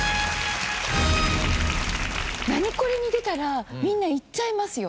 『ナニコレ』に出たらみんな行っちゃいますよ。